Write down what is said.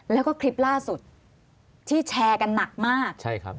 แล้วก็คลิปล่าสุดที่แชร์กันหนักมาก